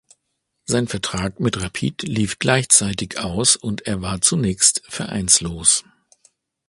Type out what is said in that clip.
Sein Vertrag mit Rapid lief gleichzeitig aus und er war zunächst vereinslos.